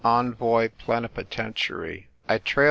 ENVOY PLENIPOTENTIARY. I TRAir.